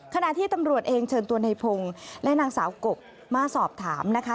ขณะที่ตำรวจเองเชิญตัวในพงศ์และนางสาวกบมาสอบถามนะคะ